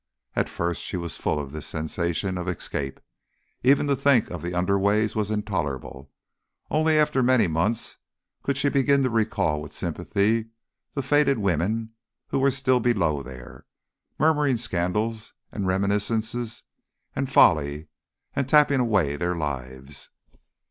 At first she was full of this sensation of escape; even to think of the underways was intolerable; only after many months could she begin to recall with sympathy the faded women who were still below there, murmuring scandals and reminiscences and folly, and tapping away their lives.